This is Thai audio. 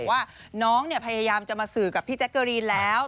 ว่าน้องพยายามจะมาสื่อกับพี่แจ๊กเกอรีนแล้ว